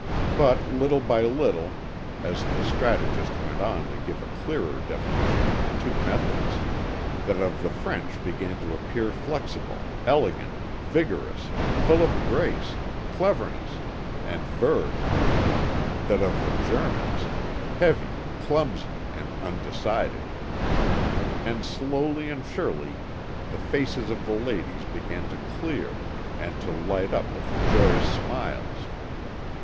But little by little, as the strategist went on to give a clearer definition of the two methods, that of the French began to appear flexible, elegant, vigorous, full of grace, cleverness, and verve; that of the Germans heavy, clumsy, and undecided. And slowly and surely the faces of the ladies began to clear and to light up with joyous smiles.